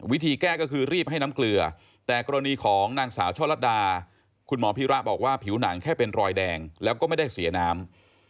วิธีแก้ก็คือรีบให้น้ำเกลือแต่กรณีของนางสาวช่อลัดดาคุณหมอพิระบอกว่าผิวหนังแค่เป็นรอยแดงแล้วก็ไม่ได้เสียน้ำ